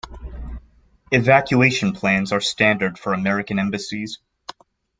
Evacuation plans are standard for American embassies.